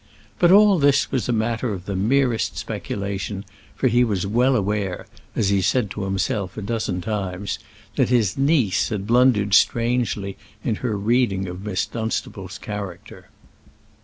But all this was a matter of the merest speculation, for he was well aware as he said to himself a dozen times that his niece had blundered strangely in her reading of Miss Dunstable's character.